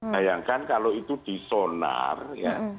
bayangkan kalau itu di sonar ya